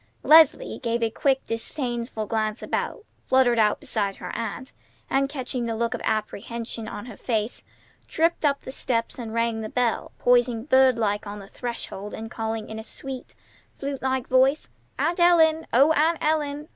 Leslie gave a quick, disdainful glance about, fluttered out beside her aunt, and, catching the look of apprehension on her face, tripped up the steps and rang the bell, poising bird like on the threshold and calling in a sweet, flute like voice: "Aunt Ellen! O Aunt Ellen!